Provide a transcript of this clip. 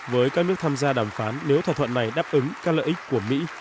với các nước tham gia đàm phán nếu thỏa thuận này đáp ứng các lợi ích của mỹ